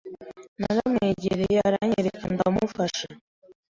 naramwegereye aranyerekera ndamufasha